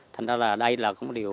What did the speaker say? thế nên là đây là một điều